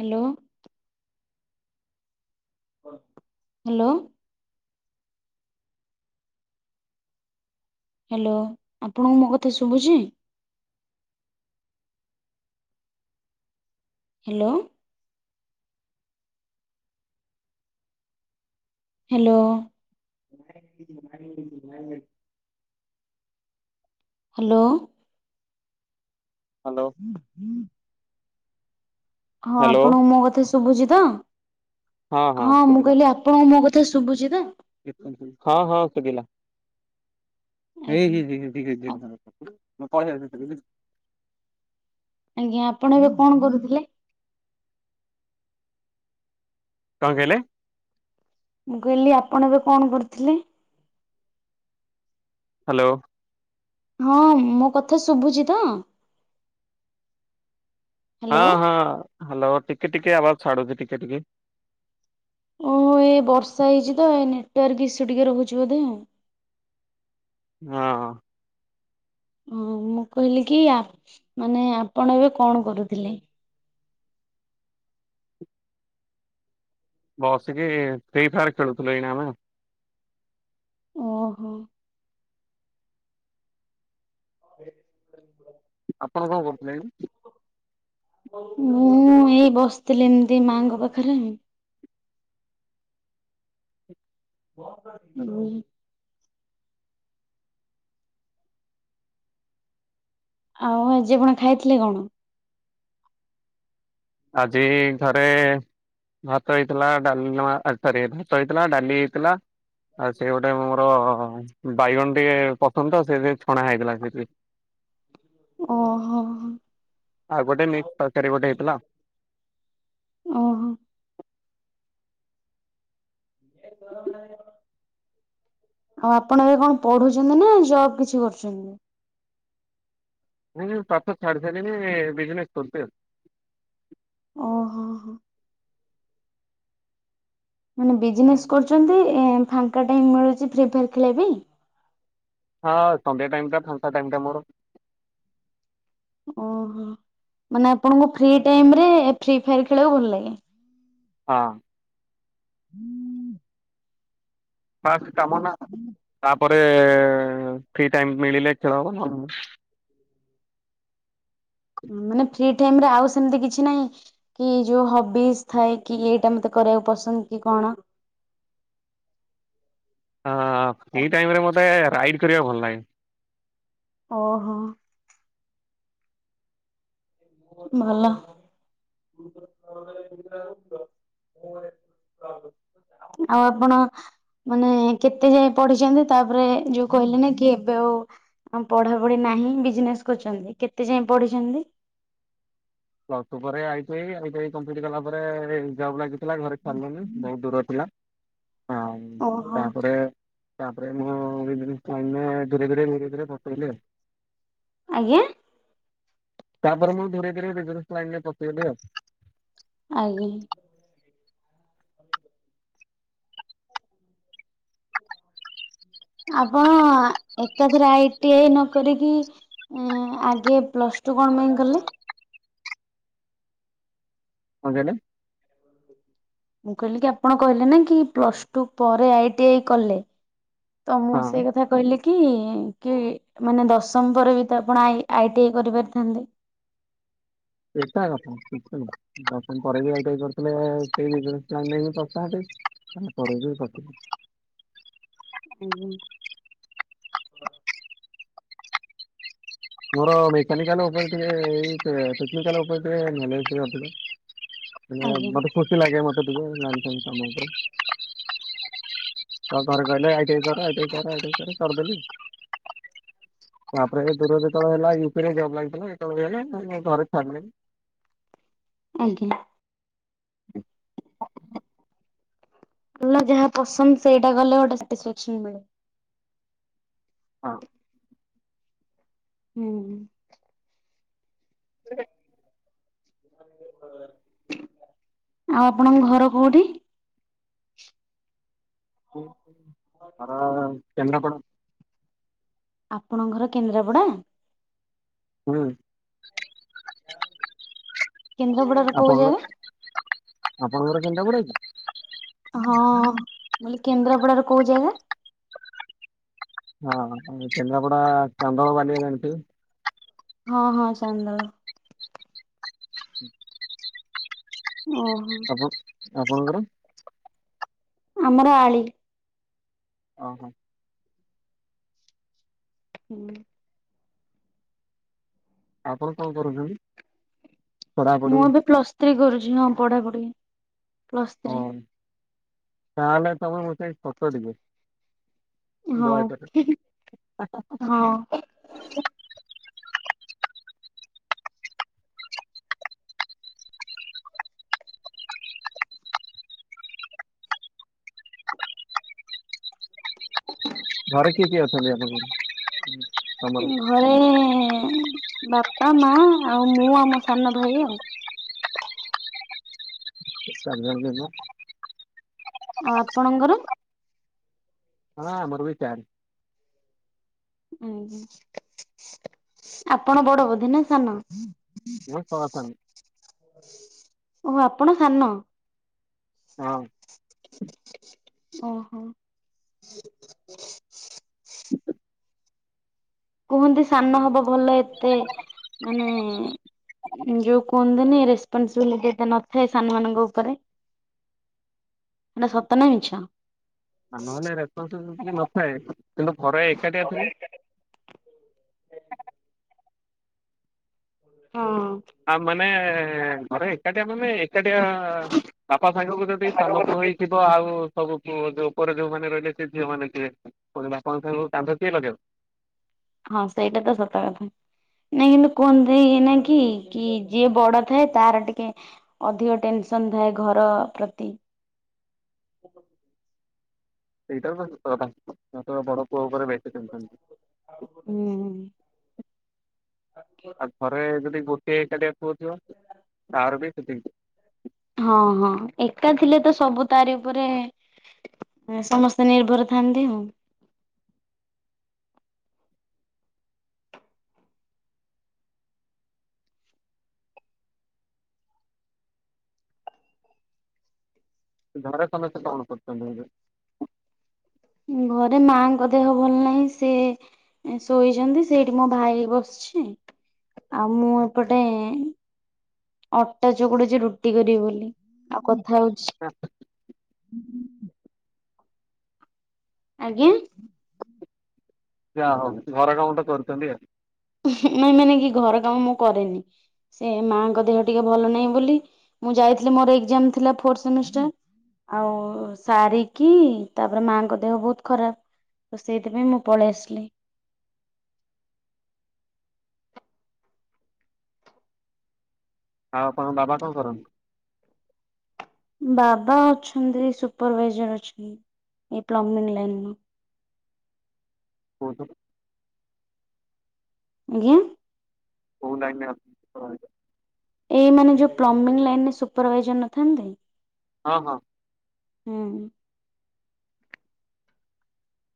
Hello. Hello. Hello ଆପଣଙ୍କୁ ମୋ କଥା ଶୁଭୁଛି? ହାଲୋ। ହାଲୋ। ହାଲୋ। ହାଲୋ। ହୁଁ ହୁଁ। ହଁ ହ୍ୟାଲୋ ଆପଣଙ୍କୁ ମୋ କଥା ଶୁଭୁଚି ତ ହଁ ମୁଁ କହିଲି ଆପଣ ମୋ କଥା ଶୁଭୁଚି ତ? ହଁ ହଁ ଶଭିଲା ଏ ଆଜ୍ଞା। ହେ ହେ ହେ [unintelligible] ମୁଁ ପଳେଇ [unintelligible] ଆଜ୍ଞା ଆପଣ ଏବେ କଣ କରୁଥିଲେ? କଣ କହିଲେ? ମୁଁ କହିଲି ଆପଣ ଏବେ କଣ କରୁଥିଲେ? ହାଲୋ। ହଁ ମୋ କଥା ଶୁଭୁଚି ତ? ହଁ ହ୍ୟାଲୋ ହଁ ହାଲୋ ଟିକେ ଟିକେ ଆବାଜ୍ ଛାଡୁଚି ଟିକେ ଟିକେ। ଓହୋ ଏ ବର୍ଷା ହେଇଚି ତ ଏ ନେଟୱାର୍କ ଇସୁ ଟିକେ ରହୁଚି ବୋଧେ ଆଉ। ହଁ। ହଁ ମୁଁ କହିଲି କି ଆ ମାନେ ଆପଣ ଏବେ କଣ କରୁଥିଲେ? ବସିକି ଫ୍ରି ଫାୟାର ଖେଳୁଥିଲୁ ଏଇନା ଆମେ। ଓହୋ। ଏ ଆପଣ କଣ କରୁଥିଲେ ଏ କି? ମୁଁ ଏଇ ବସଥିଲି ଏମିତି ମାଆଙ୍କ ପାଖରେ ଉଁ ଆଉ ଆଜି ଆପଣ ଖାଇଥିଲେ କଣ? ଆଜି ଘରେ ଭାତ ହେଇଥିଲା ଡାଲମା ଆ ସରି ଭାତ ହେଇଥିଲା ଡାଲି ହେଇଥିଲା। ଆଉ ସିଏ ଗୋଟେ ମୋର ବାଇଗଣ ଟିକେ ପସନ୍ଦ ତ ସେଇଥିପାଇଁ ଛଣା ହେଇଥିଲା ସେଥିରେ। ଓହୋ ହୋ। ଆଉ ଗୋଟେ ମିଟ୍ ତରକାରୀ ଗୋଟେ ହେଇଥିଲା। ଓହୋ। ଏ ଆଉ ଆପଣ ଏବେ କଣ ପଢୁଚନ୍ତି ନା ଜବ କିଛି କରୁଚନ୍ତି? ମୁଁ ସୋ ପାଠ ଛାଡିସାଇଲିଣି ବିଜିନେସ କରୁଚି ଆଉ। ଓହୋ ହୋ। ମାନେ ବିଜନେସ୍ କରୁଚନ୍ତି ଏଁ ଫାଙ୍କା ଟାଇମ୍ ମିଳଚି ଫ୍ରି ଫାୟାର୍ ଖଳିବା ପାଇଁ? ହଁ ସନ୍ଧ୍ୟା ଟାଇମଟା ଫାଙ୍କା ଟାଇମଟା ମୋର। ଓହୋ ମାନେ ଆପଣଙ୍କୁ ଫ୍ରି ଟାଇମରେ ଫ୍ରି ଫାୟାର ଖେଳିବାକୁ ଭଲ ଲାଗେ। ହଁ। ହୁଁ ଫାଷ୍ଟ କାମ ନା ତାପରେ ଫ୍ରି ଟାଇମ ମିଳିଲେ ଖେଳ ହବ ନହଲେ ମାନେ ଫ୍ରି ଟାଇମରେ ଆଉ ସେମତି କିଛି ନାହିଁ? କି ଯୋଉ ହବିଜ୍ ଥାଏ କି ଏଇଟା ମତେ କରିବାକୁ ପସନ୍ଦ କି କଣ? ହଁ ଫ୍ରି ଟାଇମରେ ମତେ ରାଇଡ୍ କରିବାକୁ ଭଲ ଲାଗେ। ଓହୋ। ଭଲ। ଆଉ ଆପଣ ମାନେ କେତେ ଯାଏ ପଢିଚନ୍ତି ତାପରେ ଯୋଉ କହିଲେ ନା କି ଏବେ ଆଉ ଆଉ ପଢାପଢି ନାହିଁ ବିଜନେସ କରଚନ୍ତି କେତେ ଯାଏଁ ପଢିଚନ୍ତି? ପ୍ଲସ ଟୁ ପରେ I T I I T I complete କଲା ପରେ ଜବ ଲାଗି ଥିଲା ଘରେ ଛାଡିଲେନି ବହୁତ ଦୂର ଥିଲା ଆଉ ଓହୋ ତାପରେ। ତାପରେ ମୁଁ ବିଜନେସ ଲାଇନ ରେ ଧରେ ଧୀରେ ପସିଲି ଆଉ। ଆଜ୍ଞା। ତାପରେ ମୁଁ ଧୀରେ ଧୀରେ ବିଜନେସ୍ ଲାଇନରେ ପସିଗଲି ଆଉ। ଆଜ୍ଞା। ହୁଁ ହ ଆପଣ ଏକାଥରେ ଆଇ ଟି ଆଇ ନକରିକି। ଆଗେ ପ୍ଲସ ଟୁ କଣ ପାଇଁ କଲେ। କଁ କହିଲେ। ମୁଁ କହିଲି କି ଆପଣ କହିଲେ ନା କି ପ୍ଲସ ଟୁ ପରେ ଆଇ ଟି ଆଇ କଲେ। ତ ମୁଁ ହଁ ସେଇ କଥା। କହିଲେ କି କି ମାନେ ଦଶମ ପରେ ବି ତ ଆପଣ ଆଇ ଆଇ ଟି ଆଇ କରି ପାରିଥାନ୍ତେ। ଏକା କଥା କିଛି ନାହିଁ। ଦଶମ ପରେ ବି ଆଇ ଟି ଆଇ କରିଥିଲେ ସେଇ ବିଜନେସ ଲାଇନ ରେ ହିଁ ପସିଥାନ୍ତି। ତା ପରେ ବି ପିସିଲି। ହୁଁ। ମୋର ମେକାନିକାଲ ଉପରେ ଟିକେ ଏଇ ଏ ଟେକ୍ନିକାଲ ଉପରେ ନେଲେଜ ଟିକେ ଅଧିକା। ହ ମାନେ ମତେ ଖୁସି ଲାଗେ ମତେ ଟିକେ ଲାଇନ ଫାଇନ‌ କାମ ଉପରେ। ତ ଘରେ କହିଲେ ଆଇ ଟି ଆଇ କର ଆଇ ଟି ଆଇ କର ଆଇ ଟି ଆଇ କର କରି ଦେଲି। ତାପରେ ଏ ଦୂର ଯେତେବେଳେ ହେଲା ୟୁପିରେ ଜବ ଲାଗିଥିଲା ସେତେ ବେଳେ ହେଲେ ଘରେ ଛାଡ଼ିଲେଣି। ଆଜ୍ଞା। [unintelligible] ହେଲେ ଯାହା ପସନ୍ଦ ସେଇଟା କଲେ ଗୋଟେ ସାଟିସଫେକ୍ସନ ମିଳେ। ହଁ। ହୁଁ। [unintelligible] ଆଉ ଆପଣଙ୍କ ଘର କୋଉଠି। ଘର କେନ୍ଦ୍ରପଡ଼ା। ଆପଣ ଙ୍କ ଘର କେନ୍ଦ୍ରାପଡ଼ା। ହୁଁ। କେନ୍ଦ୍ରାପଡାର କୋଉ ଜାଗା ଆପଣଙ୍କର ଆପଣଙ୍କ ଘର କେନ୍ଦ୍ରାପଡା କି। ହଁ ମୁଁ କଇଲି କେନ୍ଦ୍ରାପଡାର କୋଉ ଜାଗା। ହଁ କେନ୍ଦ୍ରାପଡା ଚାନ୍ଦଳ ବାଲିଆ ଜଣିଥିବେ। ହଁ ହଁ ଚାନ୍ଦଳ। ହୁଁ। ଓହୋ ଆପଣ ଆପଣଙ୍କର। ଆମର ଆଳି। ଅ ହୋ। ହୁଁ। ଆପଣ କଣ କରୁଛନ୍ତି। ପଢାପଢି ମୁଁ ଏବେ ପ୍ଲସ୍ ଥ୍ରୀ କରୁଛି ହଁ ପଢାପଢି ପ୍ଲସ୍ ଓ ଥ୍ରୀ। ତାହେଲେ ତମେ ମୋ ଚାଇଁ ‌ଛୋଟ ଟିକେ ହଁ। ବହେ ଛୋଟ। ହଁ ଘରେ କିଏ କିଏ ଅଛନ୍ତି ଆପଣ ଙ୍କର ହୁଁ ତମର। ଘରେ ବାପା ମା ଆଉ ମୁଁ ଆଉ ମୋ ସାନ ଭାଇ ଆଉ। ଏଇ ଚାରି ଜଣ ମେମ୍ବର। ଆଉ ଆପଣଙ୍କ ଘରେ। ନା ନା ଆମର ବି ଚାରି। ଆଜ୍ଞା ଆପଣ ବଡ ବୋଧେ ନା ସାନ। ମୁଁ ସବା ଥାନ। ଓ ଆପଣ ସାନ? ହଁ। ଓହୋ। ହୁଁ କୁହନ୍ତି ସାନ ହବ ଭଲ ଏତେ ମାନେ ଏଁ ଯୋଉ କୁହନ୍ତିନି ରେସପନସିବିଲିଟି ଏତେ ନଥାଏ ସାନମାନଙ୍କ ଉପରେ। ଏଟା ସତ ନା ମିଛ? ସାନହେଲେ ରେପନ୍ସବିଲ ନଥାଏ କିନ୍ତୁ ଘରେ ଏକାଟିଆ ଥିଲେ? ହଁ ଅଁ। ଆ ମାନେ ଘରେ ଏକାଟିଆ ମାନେ ଏକାଟିଆ ବାପା ସାଙ୍ଗକୁ ଯଦି ସାନପୁଅ ହେଇ ଥିବ ଆଉ ସବୁ ଜ ଉପରେ ଯୋଉମାନେ ରହିଲେ ସେ ଝିଅ ମାନ ଥିବେ। ପୁଣି ବାପାଙ୍କ ସାଙ୍ଗକୁ କାନ୍ଧ କିଏ ଲଗେଇବ? ହଁ ସେଇଟା ତ ସତ କଥା। ନାଇଁ କିନ୍ତୁ କୁହନ୍ତି ନାଇଁକି କି ଯିଏ ବଡ ଥାଏ ତାର ଟିକେ ଅଧିକ ଟେନସନ ଥାଏ ଘର ପ୍ରତି। ସେଇଟାତ ସତ କଥା ମାତ୍ର ବଡ ପୁଅ ଉପରେ ବେଶି ଟେନସନ। ହୁଁ। ଆଉ ଘରେ ଯଦି ଗୋଟ ସେ ଏକାଟିଆ ପୁଅ ଥିବ ତାର ବି ସେତିକି। ହଁ ହଁ ଏକା ଥିଲେ ତ ସବୁ ତାରି ଉପରେ ଏ ସମସ୍ତେ ନିର୍ଭର ଥାନ୍ତି ଆଉ। ଘରେ ସମସ୍ତେ କଣ କରୁଛନ୍ତି ଏବେ? ଘରେ ମାଙ୍କ ଦେହ ଭଲ ନାହିଁ ସେ ଶୋଇଛନ୍ତି ସେଇଠି ମୋ ଭାଇ ବସିଛି ଆଉ ମୁଁ ଏପଟେ ଅଟା ଚକୁଡୁଛି ରୁଟି କରିବି ବୋଲି ଆଉ କଥା ହଉଛି। ହଁ ହୁଁ ହୁଁ। ଆଜ୍ଞା। ଜା ହଉ ଘର କାମ ତ କରୁଛନ୍ତି ଆଉ। ଉହୁଁ ନାଇଁ ମାନେ କି ଘର କାମ ମୁଁ କରେନି। ସେ ମାଙ୍କ ଦେହ ଟିକେ ଭଲ ନାହିଁ ବୋଲି ମୁଁ ଯାଇଥିଲି ମୋର ଏଗଜାମ ଥିଲା ଫୋର ସେମିଷ୍ଟାର। ଆଉ ସାରିକି ତାପରେ ମାଙ୍କ ଦେହ ବହୁତ ଖରାପ। ତ ସେଇଥିପାଇଁ ମୁଁ ପଳେଇ ଆସିଲି। ଆଉ ଆପଣଙ୍କ ବାବା କଣ କରନ୍ତି? ବାବା ଅଛନ୍ତି ସୁପରଭାଇଜର ଅଛନ୍ତି ଏଇ ପ୍ଲମ୍ବିଂ ଲାଇନ ର। କଉଥେର? ଆଜ୍ଞା। କଉ ଲାଇନରେ ଅଛନ୍ତି ସୁପରଭାଇଜର? ଏଇ ମାନେ ଯୋଉ ପ୍ଲମ୍ବିଂ ଲାଇନ ରେ ସୁପରଭାଇଜର ନଥାନ୍ତି। ହଁ ହଁ। ହୁଁ।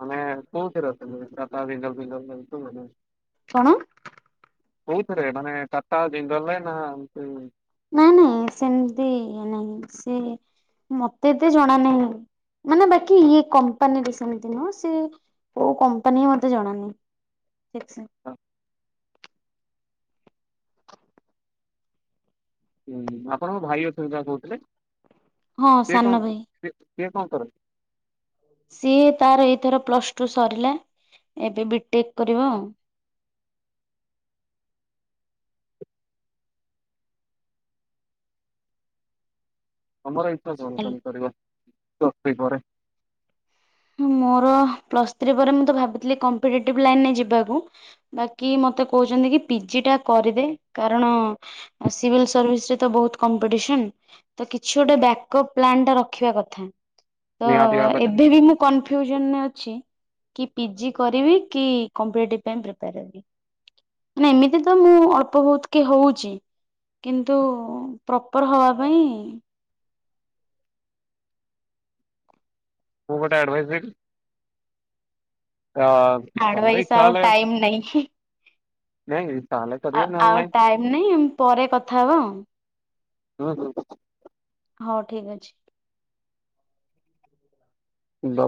ମାନେ କଉଥେର ଅଛନ୍ତି ଟାଟା ଜିନ୍ଦଲ ଫିନ୍ଦଲ ମେନସନ ନା କଣ? କଉଥେରେ ମାନେ ଟାଟା ଜିନ୍ଦଲ ରେ ନା ଏମତି ନାଇଁ ନାଇଁ ସେମିତି ନାଇଁ ସେ ମତେ ଏତେ ଜଣା ନାହିଁ। ମାନେ ବାକି ଇଏ କମ୍ପାନୀରେ ସେମିତି ନୁହଁ ସେ କୋଉ କମ୍ପାନୀ ମତେ ଜଣାନାହିଁ। ସେିକ୍ [inaudible] ହଁ। ହୁଁ ଆପଣଙ୍କ ଭାଇ ଅଛନ୍ତି ପା କହୁଥିଲେ। ହଁ ସିଏ ସାନ କଣ ଭାଇ ସିଏ କଣ କରନ୍ତି? ସିଏ ତାର ଏଇଥର ପ୍ଲସ ଟୁ ସରିଲା ଏବେ ବିଟେକ୍ କରିବ ଆଉ। ତମର ଇଚ୍ଛା କଣ ହେଲ ତମେ କରିବ ପ୍ଲସ ଥିରି ପରେ। ମୋର ପ୍ଲସ୍ ଥ୍ରୀ ପରେ ମୁଁ ତ ଭାବିଥିଲି କମ୍ପିଟେଟିଭ ଲାଇନରେ ଯିବାକୁ। ଡାକିକି ମତେ କହୁଛନ୍ତି କି ପିଜି ଟା କରିଦେ କାରଣ ଆଉ ସିଭିଲ୍ ସର୍ଭିସରେ ତ ବହୁତ କମ୍ପିଡିସନ। ତ କିଛି ଗୋଟେ ବ୍ୟାକଅପ୍ ପ୍ଲାନ୍ ଟା ରଖିବା କଥା ତ ନିହାତି ଭାବରେ ଏବେ ବି ମୁଁ କନଫ୍ୟୁଜନରେ ଅଛି କି ପିଜି କରିବି କି କମ୍ପେଟିଭ ପାଇଁ ପ୍ରିପେୟାର ହେବି। ମୁଁ ଏମିତି ତ ମୁଁ ଅଳ୍ପ ବହୁତୁକି ହଉଛି। କିନ୍ତୁ ପ୍ରପର୍ ହବା ପାଇଁ ମୁ ଗୋଟେ ଆଡଭାଇସ ଦେବି। ତ ତମର ଆଡଭାଇସ୍ ଇଛା ଆଉ ହେଲେ ଟାଇମ ନାହିଁ। ନାଇଁ କି? ଆ ଆଉ ଟାଇମ ନାଇଁ ପରେ କଥା ହବା ଆଉ। ହୁଁ [unintelligible] ହଉ ଠିକ ଅଛି। ଲ